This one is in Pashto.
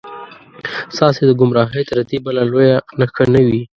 ستاسې د ګمراهۍ تر دې بله لویه نښه نه وي.